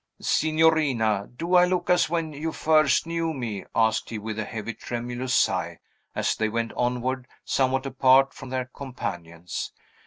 "Signorina, do I look as when you first knew me?" asked he, with a heavy, tremulous sigh, as they went onward, somewhat apart from their companions.